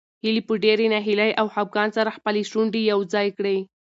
هیلې په ډېرې ناهیلۍ او خپګان سره خپلې شونډې یو ځای کړې.